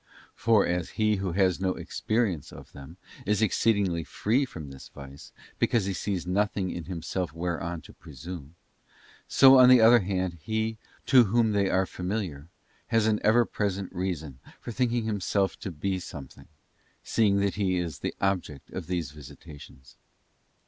For as he who has no experience of them, is exceedingly free from this vice, because he sees nothing in himself whereon to presume; so on the other hand he, to whom they are familiar, has an ever present reason for thinking himself to be something, seeing that he is the object of these visitations.